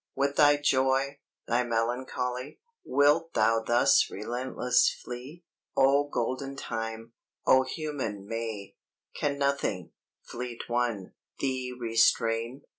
With thy joy, thy melancholy, Wilt thou thus relentless flee? O Golden Time, O Human May, Can nothing, Fleet One, thee restrain?